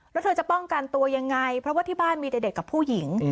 แล้วเธอจะป้องกันตัวยังไงเพราะว่าที่บ้านมีเด็กกับผู้หญิง